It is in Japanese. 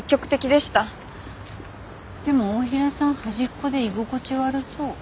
でも太平さん端っこで居心地悪そう。